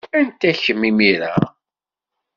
Anta kemm, imir-a?